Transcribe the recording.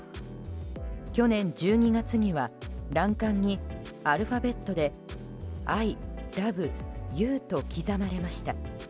去年１２月には、欄干にアルファベットで「ＩＬｏｖｅｙｏｕ」と刻まれていました。